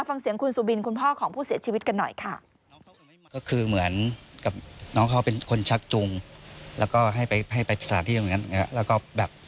ฟังเสียงคุณสุบินคุณพ่อของผู้เสียชีวิตกันหน่อยค่ะ